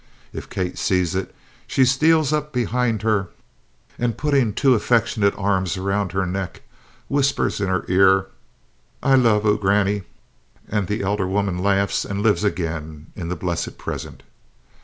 If Kate sees it, she steals up behind her, and, putting two affectionate arms around her neck, whispers in her ear, "I love oo, Grannie," and the elder woman laughs and lives again in the blessed present.